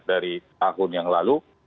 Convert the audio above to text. dari tahun yang lalu